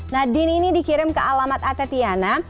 nah dean ini dikirim ke alamat atatiana